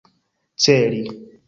celi